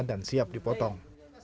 dan siap dipotong